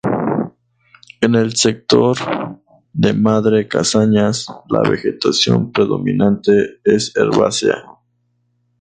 En el sector de Madre Casañas la vegetación predominante es herbácea.